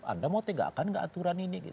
anda mau tegakkan nggak aturan ini